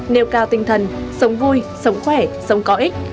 nêu cao tinh thần sống vui sống khỏe sống có ích